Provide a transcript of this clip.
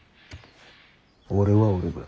俺は俺だ。